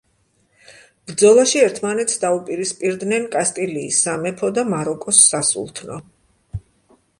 ბრძოლაში ერთმანეთს დაუპირისპირდნენ კასტილიის სამეფო და მაროკოს სასულთნო.